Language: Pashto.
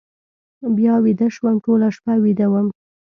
بیا ویده شوم، ټوله شپه ویده وم.